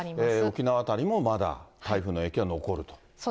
沖縄辺りもまだ台風の影響は残るということですね。